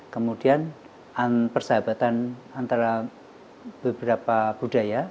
kemudian persahabatan antara beberapa budaya